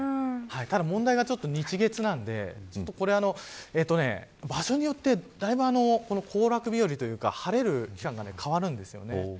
ただ問題は日曜日、月曜日なので場所によって、だいぶ行楽日和というか晴れる期間が変わるんですよね。